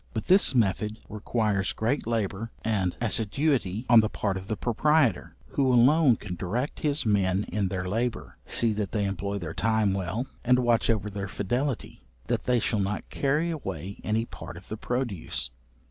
But this method requires great labour and assiduity on the part of the proprietor, who alone can direct his men in their labour, see that they employ their time well, and watch over their fidelity, that they shall not carry away any part of the produce.